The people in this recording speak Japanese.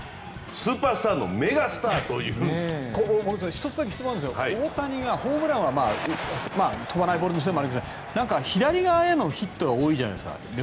スーパースターの１つだけ質問なんですが大谷がホームランは飛ばないボールのせいもあるけど左側へのヒットが多いじゃないですか。